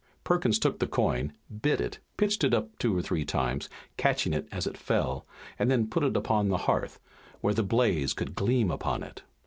Perkins took the coin, bit it, pitched it up two or three times, catching it as it fell, and then put it upon the hearth, where the blaze could gleam upon it.